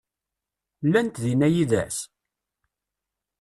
Llant dinna yid-s?